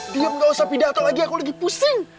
dia gak usah pidato lagi aku lagi pusing